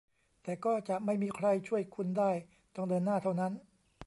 แต่ก็จะไม่มีใครช่วยคุณได้ต้องเดินหน้าเท่านั้น